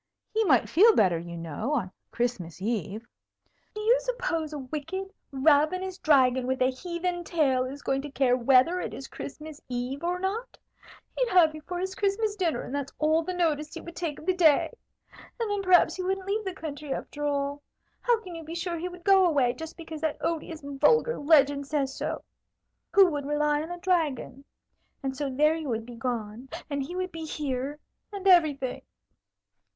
He might feel better, you know, on Christmas Eve." "Do you suppose a wicked, ravenous dragon with a heathen tail is going to care whether it is Christmas Eve or not? He'd have you for his Christmas dinner, and that's all the notice he would take of the day. And then perhaps he wouldn't leave the country, after all. How can you be sure he would go away, just because that odious, vulgar legend says so? Who would rely on a dragon? And so there you would be gone, and he would be here, and everything!"